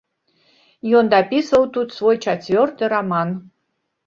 Ён дапісваў тут свой чацвёрты раман.